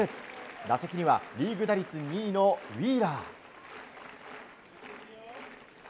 打席にはリーグ打率２位のウィーラー。